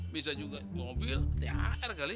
bisa juga mobil di air kali